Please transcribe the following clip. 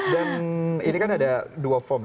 dan ini kan ada dua form